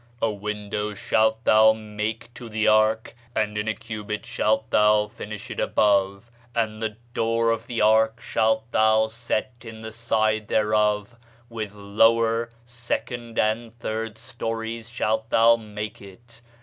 A window shalt thou make to the ark, and in a cubit shalt thou finish it above; and the door of the ark shalt thou set in the side thereof; with lower, second, and third stories shalt thou make it.